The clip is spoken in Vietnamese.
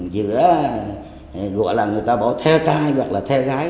giữa gọi là người ta bỏ theo tai hoặc là theo gái